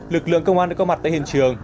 lực lượng công an đã có mặt tại hiện trường